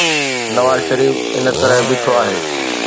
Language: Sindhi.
نوازشريف ان طرح بيٺو آهي.